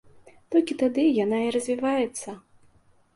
Толькі тады яна і развіваецца.